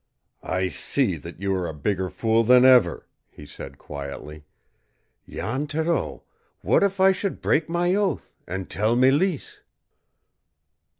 "I see that you are a bigger fool than ever," he said quietly. "Jan Thoreau, what if I should break my oath and tell Mélisse?"